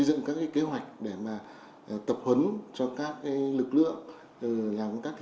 giữa doanh nghiệp với cơ quan quản lý nhà nước